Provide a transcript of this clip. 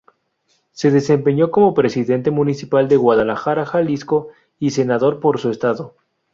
Se desempeñó como presidente municipal de Guadalajara, Jalisco y senador por su estado.